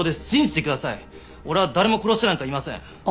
俺は誰も殺してなんかいません！